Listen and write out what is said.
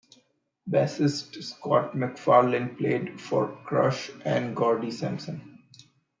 Bassist Scott MacFarlane played for Crush and Gordie Sampson.